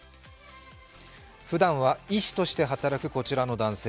ふだんは医師として働くこちらの男性。